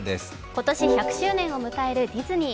今年１００周年を迎えるディズニー。